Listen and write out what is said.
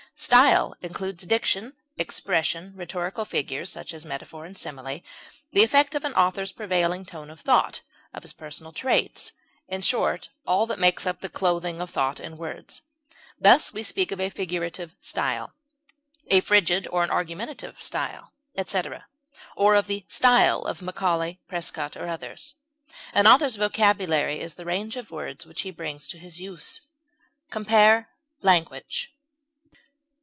Style includes diction, expression, rhetorical figures such as metaphor and simile, the effect of an author's prevailing tone of thought, of his personal traits in short, all that makes up the clothing of thought in words; thus, we speak of a figurative style, a frigid or an argumentative style, etc., or of the style of Macaulay, Prescott, or others. An author's vocabulary is the range of words which he brings into his use. Compare LANGUAGE.